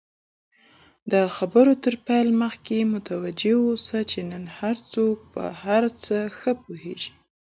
د خبرو تر پیل مخکی متوجه اوسه، چی نن هرڅوک په هرڅه ښه پوهیږي!